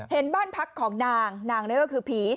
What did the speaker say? เห็นบ้านพักของนางนางนี่ก็คือผี